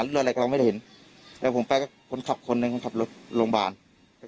หรืออะไรก็เราไม่ได้เห็นแล้วผมไปกับคนขับคนหนึ่งคนขับรถโรงพยาบาล